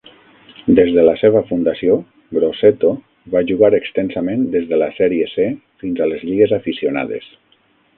Des de la seva fundació, Grosseto va jugar extensament des de la Sèrie C fins a les lligues aficionades.